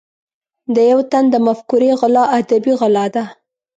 د یو تن د مفکورې غلا ادبي غلا ده.